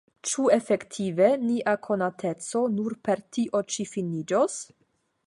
Ĉu efektive nia konateco nur per tio ĉi finiĝos?